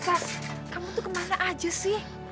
kak kamu tuh kemana aja sih